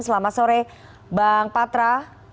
selamat sore bang patra